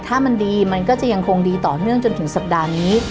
ถ้ามันดีมันก็จะยังคงดีต่อเนื่องจนถึงสัปดาห์นี้